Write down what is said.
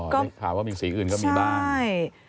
ก็ถามว่ามีสีอื่นก็มีบ้าง